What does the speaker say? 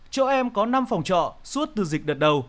châu em có năm phòng trọ suốt từ dịch đợt đầu